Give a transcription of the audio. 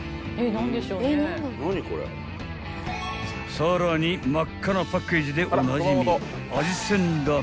［さらに真っ赤なパッケージでおなじみ］